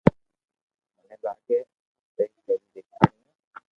مني لاگي اپي ڪري ديکاڙيو